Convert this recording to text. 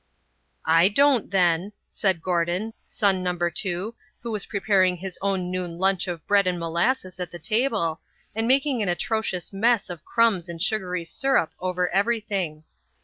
"I don't, then," said Gordon, son number two, who was preparing his own noon lunch of bread and molasses at the table, and making an atrocious mess of crumbs and sugary syrup over everything.